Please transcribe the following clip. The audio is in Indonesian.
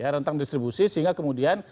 rentang distribusi sehingga kemudian